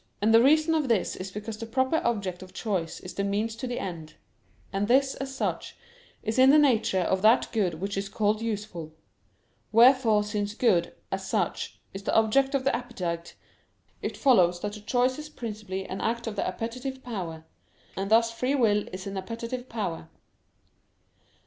And the reason of this is because the proper object of choice is the means to the end: and this, as such, is in the nature of that good which is called useful: wherefore since good, as such, is the object of the appetite, it follows that choice is principally an act of the appetitive power. And thus free will is an appetitive power.